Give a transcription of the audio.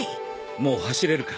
もう走れるか？